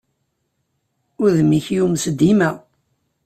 Udem-ik yumes dima.